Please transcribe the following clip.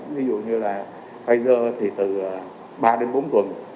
ví dụ như là pfizer thì từ ba đến bốn tuần